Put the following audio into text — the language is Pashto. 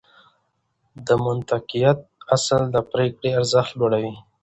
د منطقيت اصل د پرېکړې ارزښت لوړوي.